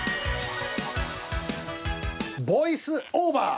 ボイスオーバー？